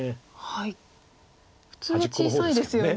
普通は小さいですよね。